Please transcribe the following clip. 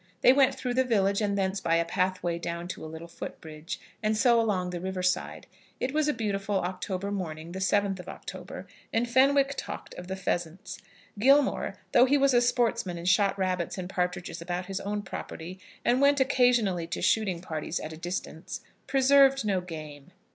They went through the village, and thence by a pathway down to a little foot bridge, and so along the river side. It was a beautiful October morning, the 7th of October, and Fenwick talked of the pheasants. Gilmore, though he was a sportsman, and shot rabbits and partridges about his own property, and went occasionally to shooting parties at a distance, preserved no game.